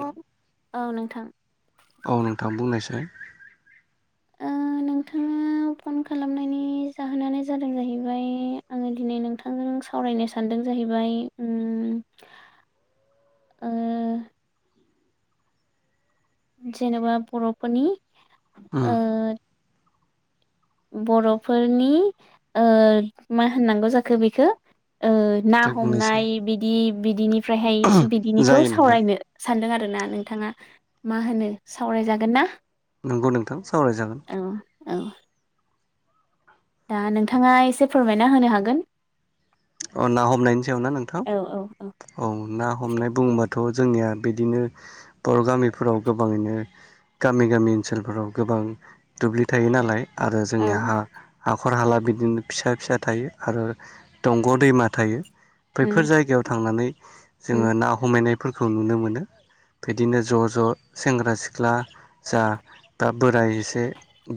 औ हेलौ औ नोंथां औ नोंथां बुंनायसै ओ नोंथांनाव फन खालामनायनि जाहोनानो जादों जाहैबाय आङो दिनै नोंथांजों सावरायनो सानदों जाहैबाय ओम ओ जेनेबा बरफोरनि उम ओ बरफोरनि ओ मा होननांगौ जाखो बेखौ ओ ना दे बुंनायसाय हमनाय बिदि बिदिनिफ्रायहाय बिदिनिखौ जायो नोंथां सावरायनो सानदों आरो आरोना नोंथाङा मा होनो सावरायजागोन ना? नंगौ नोंथां सावरायजागोन औ औ दा नोंथाङा एसे फोरमायना होनो हागोन अ ना हमनायनि सायाव ना नोंथां औ औ औ ना हमनाय बुंबा थ' जोंनिया बिदिनो बर' गामिफोराव गोबाङैनो गामि गामि ओनसोलफोराव गोबां दुब्लि थायो नालाय आरो औ जोंनिया हा- हाखर हाला बिदिनो फिसा फिसा थायो आरो दंग' दैमा थायो उम बैफोर जायगायाव थांनानै उम जोङो ना हमैनाय फोरखौ नुनो मोनो बिदिनो ज' ज' सेंग्रा सिख्ला जा दा बोराय एसे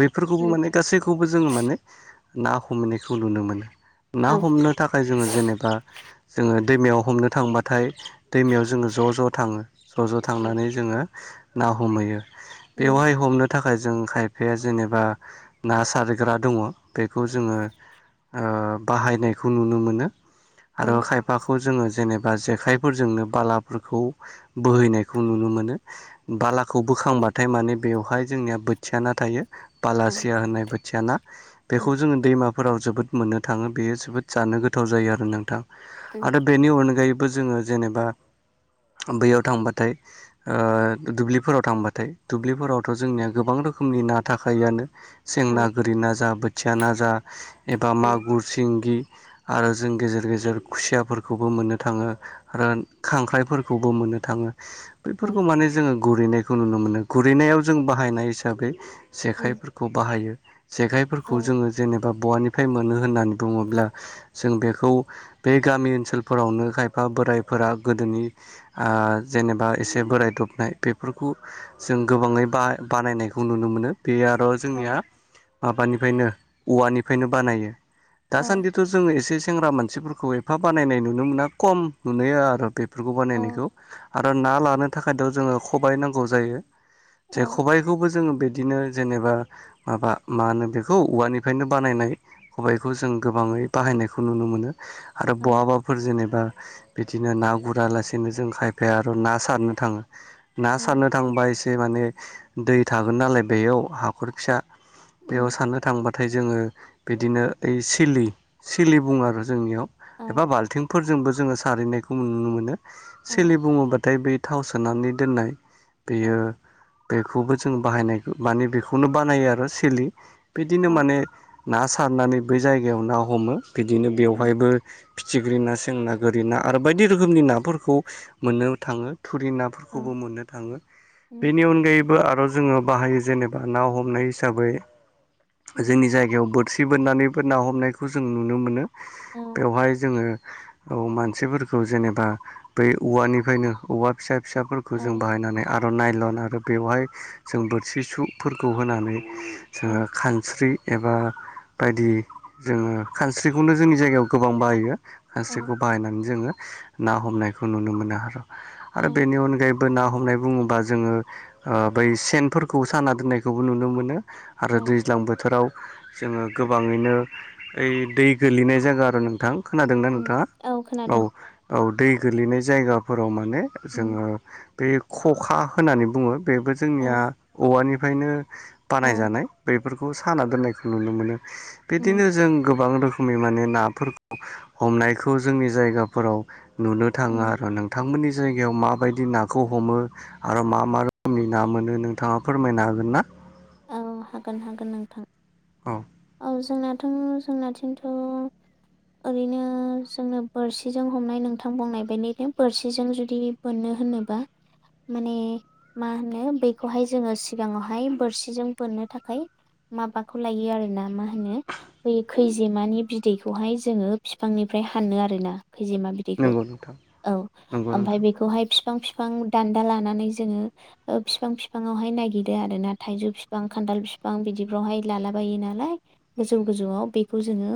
बैफोरखौबो उम माने गासैखौबो जोङो माने ना हमनायखौ नुनो मोनो ना औ हमनो थाखाय जोङो जेनेबा जोङो दैमायाव हमनो थांबाथाय दैमायाव जोङो ज' ज' थाङो ज' ज' उम थांनानै जोङो ना हमहैयो बेवहाय हमनो थाखाय थाखाय जों खायफाया जेनेबा ना सारग्रा दङ बेखौ जोङो ओ बाहायनायखौ नुनो मोनो औ आरो खायफाखौ जोङो जेनेबा जेखायफोरजोंनो बालाफोरखौ बोहैनायखौ नुनो मोनो बाला खौ बोखांबाथाय माने बेवहाय जोंनिया बोथिया ना थायो उम बालासिया होननाय बोथिया ना बेखौ जोङो दैमाफोराव जोबोद मोननो थाङो बेयो जोबोद जानो गोथाव जायो आरो नोंथां उम आरो बेनि अनगायैबो जोङो जेनेबा बैयाव थांबाथाय ओ दुब्लिफोराव थांबाथाय दुब्लिफोरावथ' जोंनिया गोबां रो रोखोमनि ना थाखायो आनो औ उम सेंना औ गोरि ना जा बोथिया ना जा एबा मागुर सिंगि आरो जों गेजेर गेजेर खुसियाफोरखौबो मोननो थाङो आरो खांख्राइफोरखौबो मोननो थाङो बैफोरखौ माने जोङो गुरैनायखौ नुनो मोनो गुरैनायाव जों बाहायनाय हिसाबै उम जेखाइफोरखौ बाहायो औ जेखाइफोरखौ जोङो जेनेबा बहानिफ्राय मोनो होननानै बुङोब्ला जों बेखौ बे गामि ओनसोलफोरावनो खायफा बोरायफोरा गोदोनि आ आं जेनेबा एसे बोराय दबनाय बेफोरखौ जों गोबाङै बा-बानायनायखौ नुनो मोनो बे आर' औ जोंनिया माबानिफ्रायनो औवानिफ्रायनो बानायो औ दासान्दि जों एसे सेंग्रा मानसिफोरखौ एफा बानायनाय नुनो मोना खम नुयो आरो बे बेफोरखौ बानायनायखौ आरो ना लानो थाखायथ' जोङो खबबाय नांगौ जायो जे औ खबायखौबो जोङो बे बिदिनो जेनेबा माबा मा होनो बेखौ औवानिफ्रायनो बानायनाय खबाइखौ जों गोबाङै बाहायनायखौ नुनो मोनो आरो औ बहाबाफोर जेनेबा बिदिनो ना गुरा लासेनो जों खायफाया आरो ना सारनो थाङो ना सारनो थांबा एसे माने दै थागोन नालाय बेयाव हाखर फिसा बेयाव उम साननो थांबाथाय जोङो बिदिनो ओइ सिलि सिलि बुङ आरो जोंनियाव औ एबा बाल्थिंफोरजोंबो जोङो सारहैनायखौ नुनो मोनो औ सेलि बुङोबाथाय बे थाव सोनानै दोननाय औ बेयो बेखौबो जों बाहायनाय माने बेखौनो बानायो आरो सोलि बिदिनो माने ना सारनानै बै जायगायाव ना हमो बिदिनो उम बेवहायबो फिथिख्रि ना सें ना गोरि ना आरो बायदि रोखोमनि नाफोरखौ मोननो थाङो थुरि नाफोरखौबो औ मोननो थाङो उम बेनि अनगायै आरो जोङो बाहायो जेनेबा ना हमनाय हिसाबै उम जोंनि जायगायाव बो सि बोननानैबो ना हमनायखौ खौ जों नुनो मोनो बेवहाय जोङो औ मानसिफोरखौ जेनेबा बै औवानिफ्रायनो औवा फिसा फिसाफोरखौ जों औ बाहायनानै आर' नायलन आरो बेवहाय जों बोरसि सुफोरखौ होनानै औ जोङो औ खानस्रि एबा बायदि जोङो खानस्रिखौनो जोंनि जायगायाव गोबां बाहायो खानस्रिखौ बाहायनानै जोङो ना हमनायखौ नुनो मोनो आरो औ आरो बेनि अनगायैबो बो ना हमनाय बुङोबा जोङो ओ बै सेनफोरखौ साना दोननायखौबो नुनो मोनो। आरो औ दैज्लां बोथोराव जोङो गोबाङैनो ओइ दै गोलैनाय जागा आरो नोंथां खोनादोंना उम नोंथाङा? औ खोनादों औ दै गोलैनाय जायगाफोराव माने उम जोङो बे खखा होननानै बुङो। बेबो औ जोंनिया औवानिफ्रायनो औ बानायजानाय बेफ बेफोरखौ साना दोननायखौ नुनो मोनो उम बिदिनो जों गोबां रोखोमै माने नाफोरखौ हमनायखौ जोंनि जायगाफोराव नुनो थाङो उम आरो नोंथांमोननि जायगायाव माबायदि नाखौ हमो आरो मा मा रोखोमनि ना मोनो नोंथाङा फोरमायनो हागोन ना औ हागोन हागोन नोंथां। औ। औ जोंनाथ' जोंनाथिंथ' ओरैनो जोंनो बोरसिजों हमनाय नोंथां बुंनाय बायदिनो बोरसिजों जुदि बोनो होनोबा माने मा होनो बेखौहाय जोङो सिगांआवहाय बोरसि जों बोननो थाखाय माबाखौ लायो आरोना मा होनो बै खैजेमानि बिदैखौ बेवहाय जोङो बिफांनिफ्राय हानो आरोना। खैजेमा बिदैखौ नंगौ नोंथां औ नंगौ ओमफाय नोंथां बेखौहाय फिफस बिफां बिफां दान्दा लानानै जोङो ओ फिफां फिफांवहाय नायागिरो आरो ना थाइजौ फिफां बिफां खान्थाल बिफां बिदिफ्रावहाय लालाबायो नालाय गोजौ गोजौआव बेखौ जोङो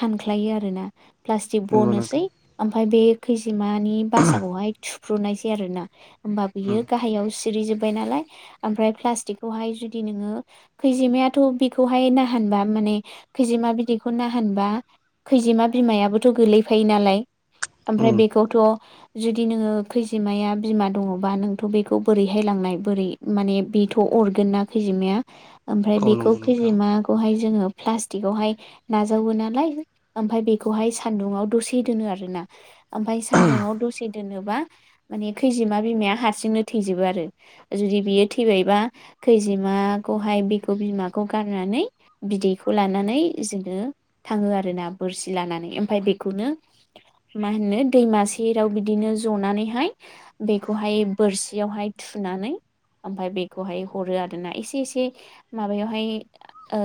हान ख्लायो आरोना। प्लास्टिक नंगौ बनोसै नोंथां ओमफाय बे खैजिमानि बासाखौहाय थुफ्रुनोसै आरो ना। होमबा उम बियो गाहायाव सिरि जोब्बाय नालाय ओमफ्राय प्लास्टिकखौहाय जुद दि नोङो खैजिमायाथ' बिखौहाय नाहानबा माने खैजिमा बिदैखौ नाहानबा खैजिमा बिमायाबोथ' गोलैफायो नालाय ओमफ्राय उम बेखौथ' जुदि नोङो खैजिमाया बिमा दङ'बा नोंथ' बेखौ बोरैहाय लांनाय बोरै माने बेथ' अरगोन ना खैजिमाया ओमफ्राय औ बेखौ नंगौ नोंथां खैजिमाखौहाय जोङो प्लास्टिकआवहाय नाजावो नालाय ओमफ्राय बेखौहाय सानदुुंआव दसे दोनो आरोना। ओमफाय सान्दुुंआव दसे दोनोब बा माने खैजिमा बिमाया हारसिंनो थैजोबो आरो जुदि बियो थैबायबा खैजिमाखौहाय बिखौ बिमाखौ गारनानै बिदैखौ लानानै जोङो थाङो आरो ना बोरसि लानानै ओमफाय बेखौनो मा होनो दैमा सेराव बिदिनो जनानैहाय बेखौहाय बोरसियावहाय थु थुनानै ओमफाय बेखौहाय हरो आरोना एसे एसे माबायावहाय ओ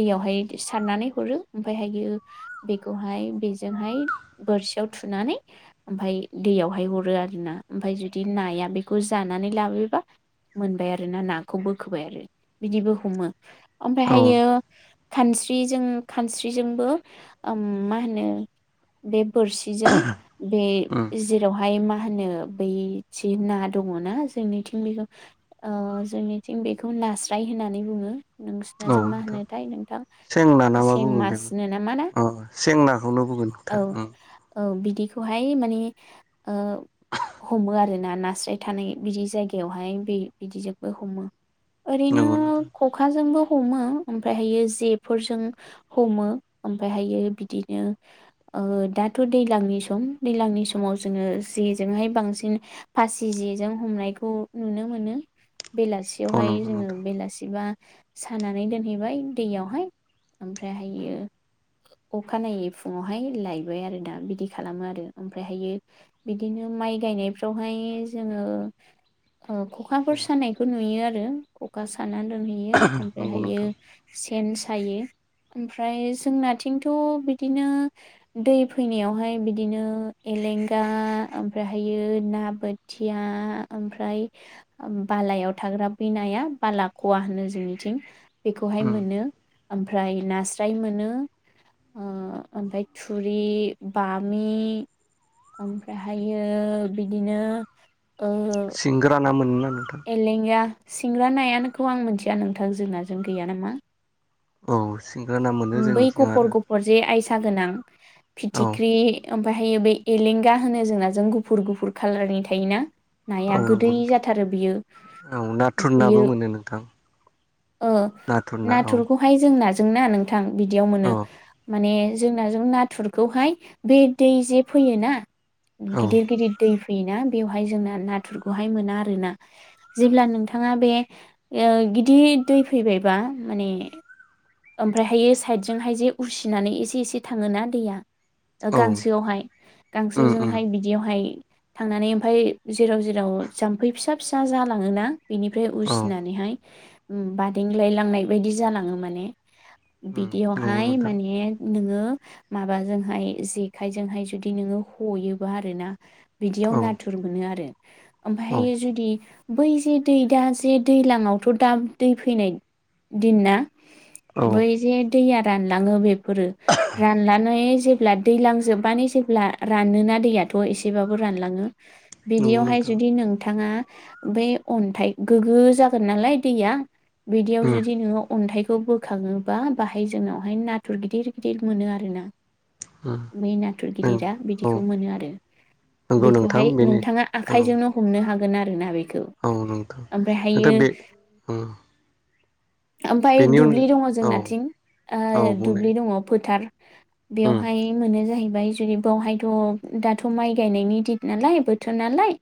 दैयावहाय सारनानै हरो। ओमफायहायो बेखौहाय बेजोंहाय बोरसियाव थुनानै ओमफाय दैयावहाय हरो आरोना ओमफाय जुदि नाया बेखौ जानानै लाबोबा मोनबाय आरो ना नाखौ बोखोबाय आरो बिदिबो हमो औ ओमफायहायो खानस्रिजों खानस्रिजोंबो ओम मा होनो बेफ बोरसिजों बे उम जेरावहाय मा मा होनो बैथि ना दङ'ना जोंनिथिं बेखो ओ जोंनिथिं बेखौ नास्राय होननानै बुङो। औ नोंसिनाजों मा नोंथां होनोथाय नोंथां सेंना ना मा सें बुङो बेखौ मासनो नामा ना अ सेंनाखौनो बुंगोन औ नोंथां उम औ बिदिखौहाय माने ओ हमो आरोना नास्राय थानाय बिदि जायगायावहाय बे बिदिजोंबो हमो ओरैनो नंगौ नोंथां खखाजोंबो हमो ओमफ्रायहायो जेफोरजों हमो ओमफ्रायहायो बिदिनो ओ दाथ' दैलांनि सम दैलांनि समाव जोङो जेजोंहाय बांसिन फासि जि बेजों हमनायखौ नुनो मोनो। औ बेलासियावहाय नंगौ जोङो नोंथां बेलासिबा सानानै दोनहैबाय दैयावहाय ओमफ्रायहायो अखानायै फुङावहाय लायबाय आरो दा बिदि खालामो आरो ओमफ्रायहायो बिदिनो माइ गायनायफ्रावहाय जोङो ओ औ ख'खाफोर सानायखौ नुयो आरो खखा सानानै दोनहैयो नंगौ ओमफ्रायहायो नोंथां सेन सायो ओमफ्राय जोंनाथिंथ' बिदिनो दै फैनायावहाय बिदिनो। लेंगा ओमफ्रायहायो ना बोथिया ओमफ्राय ओ बालायाव थाग्रा बि नाया बाला क'वा होनो जोंनिथिं बेखौहाय उम मोनो। ओमफ्राय नास्राय मोनो। ओ ओमफ्राय थुरि बामि। ओमफ्रायहायो बिदिनो। ओ सिंग्राना मोनो। एलेंगा सिंग्रा नायानोखौ आं मिथिया नोंथां जोंनाजों गैया नामा। औ। सिंग्रा ना मोनो बै जोंनिथिं गुफुर आरो गुफुर जे आयसा गोनां औ फिथिख्रि ओमफायहायो बे एलेंगा होनो जोंनाजों गुफुर गुफुर कालारनि थायोना। औ नाया नंगौ गोदै नोंथां जाथारो बियो औ नाथुर नाबो बियो। मोनो नोंथां ओ नाथुर ना औ नाथुरखौहाय जों नाजोंना नोंथां बिदियाव औ मोनो माने। जोंनाजों नाथुरखौहाय बे दै जे फैयोना औ गिदिर गिदिर दै। बिना बेवहाय जोंना नाथुरखौहाय मोना आरोना जेब्ला नोंथाङा बे ओ। गिदिर दै फैबायबा माने ओमफ। [unintelligible] साइदजोंहाय जे उरसिनानै एसे एसे थाङोना दैया। औ गांसोआवहाय उम उम गांसोजोंहाय बिदियावहाय। थांनानै ओमफाय जेराव जेराव जाम्फै फिसा फिसा जालाङोना। बेनिफ्राय औ उसिनानैहाय बादेंलाय लांनाय बायदि जालाङो माने। उम नंगौ बिदियावहाय नोंथां माने। नोङो माबाजोंहाय जेखाइजोंहाय जुदि नोङो हयोबा आर ना। बिदियाव औ नाथुर मोनो आरो औ ओमफाय जुदि। बै जे दै दा जे दैज्लाङावथ' दा दै फैनाय दिन ना। औ बै जे दैया। रानलाङो बेफोरो रानलानै जेब्ला दैलांजोबानो जेब्ला रानोना दैया। थ' एसेबाबो रानलाङो नंगौ बिदियावहाय नोंथां जुदि नोंथाङा। बे अन्थाइ गोगो जागोन नालाय दैया बिदियाव उम जुदि नोङो अन्थाइ। खौ बोखाङोबा बाहाय जोंनावहाय नाथुर गिदिर गिदिर मोनो आरो ना। उम बै नाथुर उम गिदिरा औ बिदिखौ मोनो आरो। नंगौ नोंथां बेखौहाय बेनो नोंथाङा औ आखायजोंनो हमनो हागोन आरो ना बे। औ नोंथां नोंथां बे [unintelligible] उम ओमफाय बेनि अन दुब्लि दङ औ जोंनाथिं औ ओ बुंनाय दुब्लि दङ फोथार। उम बेवहाय मोनो जाहै। [unintelligible] जुदि बावहायथ' दाथ' माइ गायनायनि दित नालाय बोथोर नालाय‌।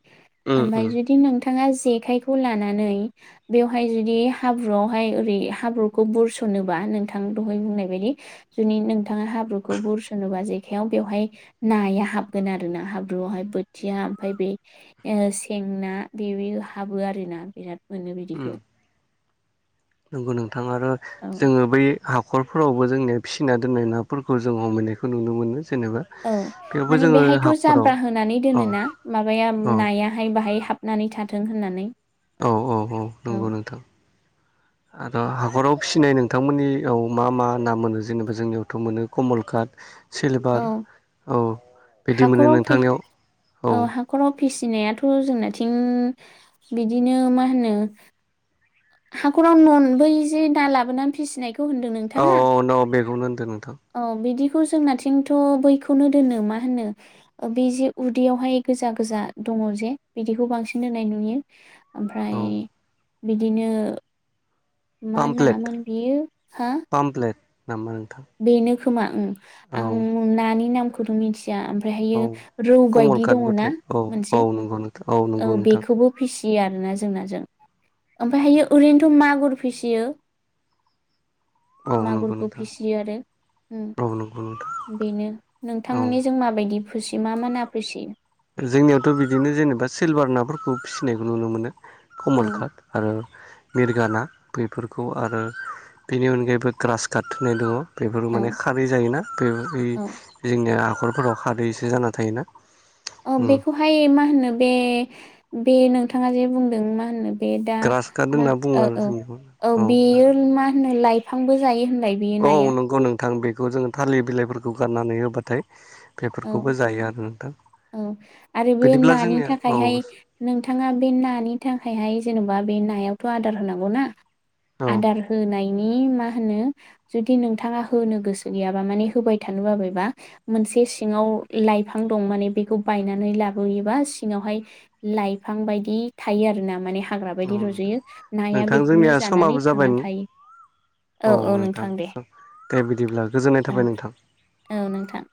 उम ओमबाय उम जुदि नोंथां। [unintelligible] जेखाइखौ लानानै बेवहाय जुदि हाब्रुआवहाय ओरै हाब्रु। खौ बुरसनोबा नोंथां दहाय बुंनाय बायदि जुनि नोंथाङा हाब्रुखौ बुरसनोबा। बेवहाय नाया हाबगोन आरोना हाब्रुआवहाय बोथिया ओमफाय बे से। ना बे बे हाबो आरोना बिराद मोनो उम बिदिखौ। नंगौ नोंथां आरो औ जोङो बै। हाखरफोरावबो जोंनिया फिसिना दोननाय नाफोरखौ जों हमैनायखौ नुनो मोनो। जेनेबा औ बेयावबो माने जोङो बेहायथ' हाखराव जामब्रा होनानै औ दोनोना माबाया औ नायाहाय बाहाय हाब। नानै थाथों होननानै। औ औ औ नंगौ नोंथां आर' हाखराव। फिसिनाय नोंथांमोननियाव मा मा ना मोनो जेनेबा जोंनियावथ' मोनो कमलकाट। सिलभार औ औ बिदि मोनो हाखराव फि नोंथांनियाव औ। फिसिनायाथ' जोंनाथिं बिदिनो मा होनो। हाखराव नन ब जै दा लाबोनानै फिसिनायखौय। औ औ न' बेखौनो होनदों। नोंथां औ बिदि जोंनाथिंथ' बैखौनो दोनो मा होनो ओ बे जे उदैयावहाय गोजा गोजा दङ जे बिदिखौ बांसिन होनाय नुयो ओमफ्राय औ बिदिनो मा ना पामप्लेट मोन बियो हा? पामप्लेट नामा नोंथां। बेनो खोमा उम औ आं नानि नामखौथ' मिथि या ओमफ्रायहायो औ रौ कमल बायदि दङ ना कातबथाय औ मोनसे औ नंगौ नोंथां औ ओ नंगौ नोंथां बेखौबो फिसि यो आरोना जोंनाजों ओमफायहायो ओरैनोथ' मागुर फिसियो। औ नंगौ नोंथां। यो आरो औ नंगौ नोंथां उम बेनो औ नोंथांनिजों माबायदि? फुसि मा मोना फुसि? जोंनियावथ' बिदिनो जेनेबा सिलभार नाफोरखौ फिसिनायखौ नुनो मोनो। कमल औ कात आरो मिरगा ना बैफोरखौ आरो बेनि अनगायैबो ग्रास घात होननाय दंङ। बेफोर औ माने खारै जायोना बे बै औ जोंनिया न'खरफोराव खादैसो जाना थायोना। औ बेखौहाय मा होनो बे बे नोंथाङा जे बुंदों मा होनो बे दा ग्रास काट मा होनना बुङो ओ आरो औ जोंनिखौ औ ना बेयो मा होनो लाइ बिफांबो जायो होनलाय बेयो नाया? थां बेखौ जोङो थालिर बिलाइफोरखौ गारनानै होबाथाय औ बेफोरखौबो जायो आरो नोंथां। औ आरो बे बिदिब्ला नानि जोंनिया औ थाखायहाय नोंथाङा बे नानि थाखायहाय जेने बा बे नायावथ' आदार होनांगौ ना औ आदार होनायनि मा होनो जुदि नोंथाङा होनो गोसो गैयाबा माने होबाय थानो बाबायबा मोनसे सिङाव लाइफां दं माने बेखौ बायनानै लाबोयोबा सिङावहाय लाइफां बायदि थायो आरोना माने हाग्रा बायदि नोंथां रज'यो नाया नोंथां बेखौनो जोंनिया जानानै समाबो जाबाय थांनानै थायो। औ नोंथां स' दे बिदिब्ला गोजोननाय औ थाबाय नोंथां। औ नोंथां।